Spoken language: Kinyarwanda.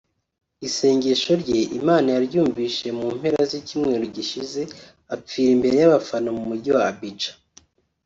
Isengesho rye Imaan yaryumvise mu mpera z’icyumweru gishize apfira imbere y’abafana mu Mujyi wa Abidjan